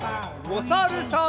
おさるさん。